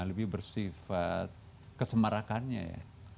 lebih bersifat kesemarakannya ya